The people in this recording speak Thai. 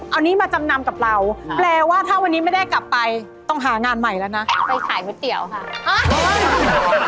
เอานี้มาจำนำกับเราแปลว่าถ้าวันนี้ไม่ได้กลับไปต้องหางานใหม่แล้วนะไปขายก๋วยเตี๋ยวค่ะ